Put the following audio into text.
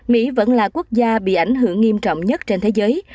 mỹ vẫn là quốc gia bị ảnh hưởng nghiêm trọng nhất trên thế giới